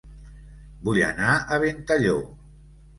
Vull anar a Ventalló